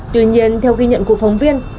tuy nhiên theo ghi nhận của phóng viên